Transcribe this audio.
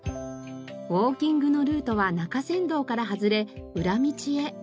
ウォーキングのルートは中山道から外れ裏道へ。